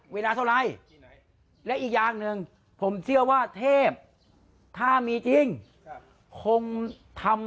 เวลาเท่าไรและอีกอย่างหนึ่งผมเชื่อว่าเทพถ้ามีจริงคงทำ